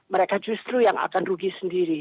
mereka justru yang akan rugi sendiri